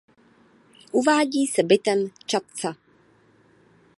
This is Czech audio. Uvádí se bytem Čadca.